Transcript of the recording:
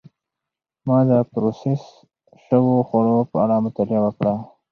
ما د پروسس شوو خوړو په اړه مطالعه وکړه.